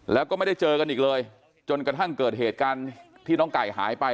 แล้วก็ไม่ได้เจอกันอีกเลยจนกระทั่งเกิดเหตุการณ์ที่น้องไก่หายไป